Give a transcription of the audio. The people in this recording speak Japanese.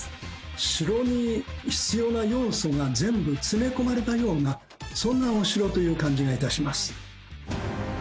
城に必要な要素が全部詰め込まれたようなそんなお城という感じがいたします。